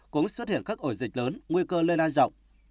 cũng xuất hiện các ổ dịch lớn nguy cơ lây lan rộng